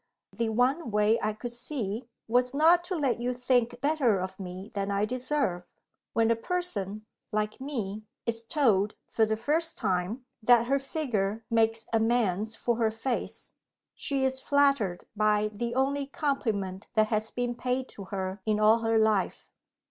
"The one way I could see was not to let you think better of me than I deserve. When a person, like me, is told, for the first time, that her figure makes amends for her face, she is flattered by the only compliment that has been paid to her in all her life.